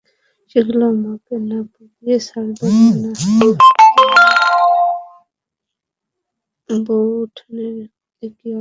সেগুলো আমাকে না পড়িয়ে ছাড়বেন না, তোমার বউঠানের এ কী অত্যাচার।